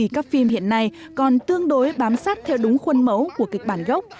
các phim hiện nay còn tương đối bám sát theo đúng khuôn mẫu của kịch bản gốc